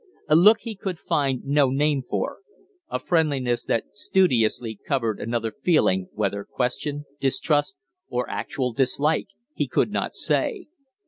A look he could find no name for a friendliness that studiously covered another feeling, whether question, distrust, or actual dislike he could not say.